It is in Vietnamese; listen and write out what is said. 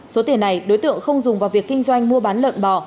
số tiền này đối tượng không dùng vào việc kinh doanh mua bán lợn bò